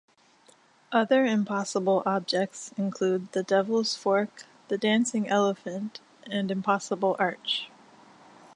Other impossible objects include the devil's fork, the dancing elephant, and impossible arch.